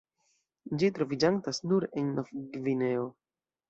Ĝi troviĝantas nur en Novgvineo.